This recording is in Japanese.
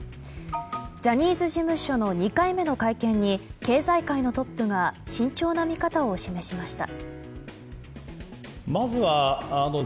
ジャニーズ事務所の２回目の会見に経済界のトップが慎重な見方を示しました。